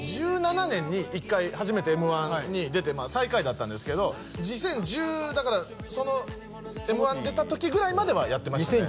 ２０１７年に一回初めてＭ−１に出て最下位だったんですけど２０１０だからそのＭ−１出た時ぐらいまではやってましたね